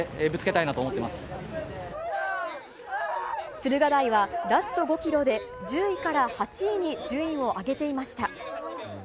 駿河台はラスト５ｋｍで１０位から８位に順位を上げていました。